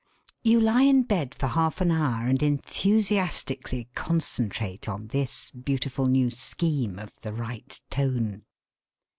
You lie in bed for half an hour and enthusiastically concentrate on this beautiful new scheme of the right tone.